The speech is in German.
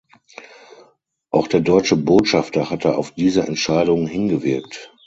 Auch der deutsche Botschafter hatte auf diese Entscheidung hingewirkt.